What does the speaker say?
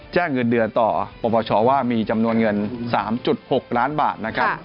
เงินเดือนต่อปปชว่ามีจำนวนเงิน๓๖ล้านบาทนะครับ